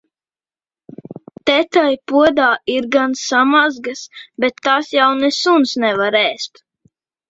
Te tai podā ir gan samazgas, bet tās jau ne suns nevar ēst.